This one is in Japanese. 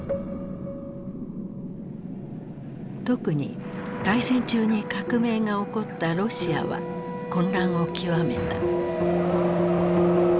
特に大戦中に革命が起こったロシアは混乱を極めた。